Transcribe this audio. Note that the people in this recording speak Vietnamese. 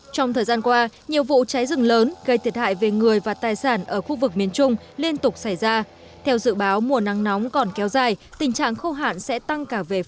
trong thời gian qua nhiều vụ cháy rừng lớn gây thiệt hại về người và tài sản